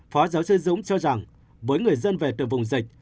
phó giáo sư dũng cho rằng với người dân về từ vùng dịch